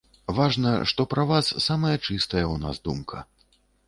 Важна, што пра вас самая чыстая ў нас думка.